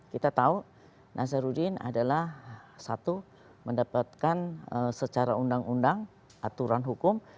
kita tahu nazarudin adalah satu mendapatkan secara undang undang aturan hukum